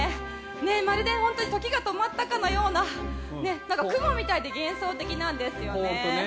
まるで本当に時が止まったかのような雲みたいで幻想的なんですよね。